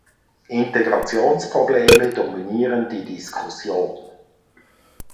Integrationsprobleme dominieren die Diskussion.